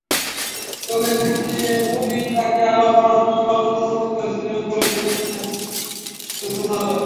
তবে মোদিই তাঁকে আরও পড়াশোনা করার জন্য অনুপ্রাণিত করেছিলেন বলেও জানিয়েছেন যশোদাবেন।